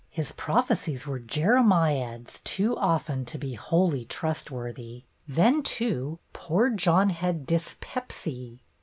His prophecies were Jeremiads too often to be wholly trustworthy. Then, too, poor John had "dyspepsy."